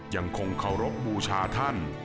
ยังคงเคารพบูชาท่าน